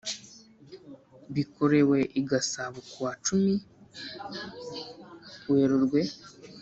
Bikorewe i Gasabo kuwa cumin, werurwe.